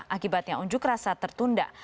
akibatnya unjuk rasa tertunda